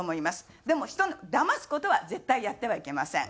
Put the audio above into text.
でも人をだます事は絶対やってはいけません。